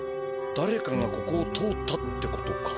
だれかがここを通ったってことか。